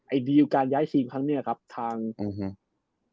ไอดีลการย้ายทีนทางเนี้ยครับทางอืมอืม